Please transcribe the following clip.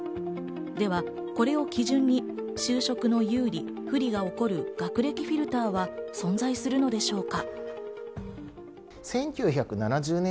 ではこれを基準に就職の有利不利が起こる学歴フィルターは存在するのでしょうか？